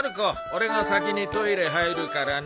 俺が先にトイレ入るからな。